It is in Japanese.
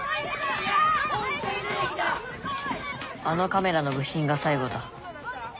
あのカメラの部品が最後だ。